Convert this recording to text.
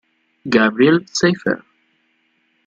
Gabriele Seyfert